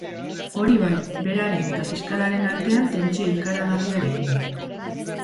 Hori bai, beraren eta fiskalaren artean tentsio ikaragarriarekin.